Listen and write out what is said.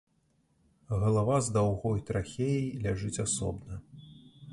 Галава з даўгой трахеяй ляжыць асобна.